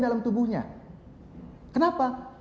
dalam tubuhnya kenapa